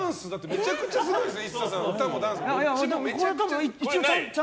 めちゃくちゃすごいですよ。